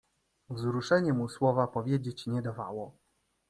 "Wzruszenie mu słowa powiedzieć nie dawało."